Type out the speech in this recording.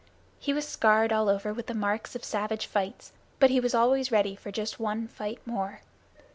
He was scarred all over with the marks of savage fights, but he was always ready for just one fight more.